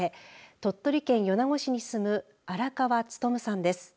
鳥取県米子市に住む荒川勉さんです。